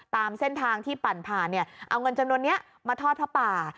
ตามเส้นทางที่ปั่นผ่านเอาเงินจำนวนนี้มาทอดผ้าป่า